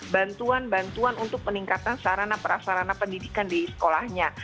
bantuan bantuan untuk peningkatan sarana prasarana pendidikan di sekolahnya